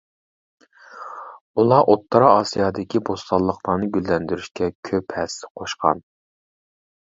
ئۇلار ئوتتۇرا ئاسىيادىكى بوستانلىقلارنى گۈللەندۈرۈشكە كۆپ ھەسسە قوشقان.